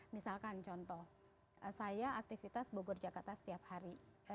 misalkan contoh saya aktivitas bogor jakarta setiap hari